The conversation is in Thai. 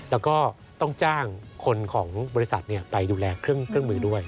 แล้วก็ต้องจ้างคนของบริษัทไปดูแลเครื่องมือด้วย